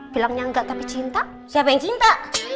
bilangnya enggak tapi cinta siapa yang cinta